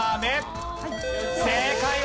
正解！